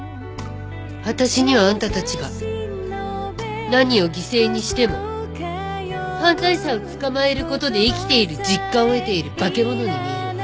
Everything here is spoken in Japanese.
私にはあんたたちが何を犠牲にしても犯罪者を捕まえる事で生きている実感を得ている化け物に見えるわ。